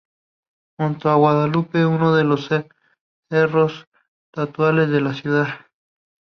Junto a Guadalupe es uno de los cerros tutelares de la ciudad.